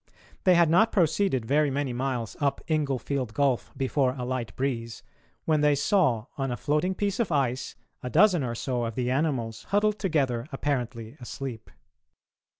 They had not proceeded very many miles up Inglefield Gulf before a light breeze when they saw, on a floating piece of ice, a dozen or so of the animals huddled together apparently asleep.